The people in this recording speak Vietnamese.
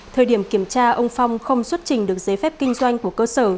thời điểm kiểm tra ông phong không xuất trình được giấy phép kinh doanh của cơ sở